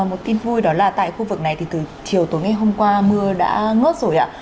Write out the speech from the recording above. một tin vui đó là tại khu vực này thì từ chiều tối ngày hôm qua mưa đã ngớt rồi ạ